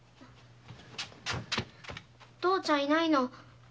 お父ちゃんいないの。